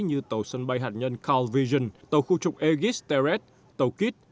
như tàu sân bay hạt nhân carl vision tàu khu trục aegis teret tàu kit